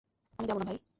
আমি যাবো না ভাই।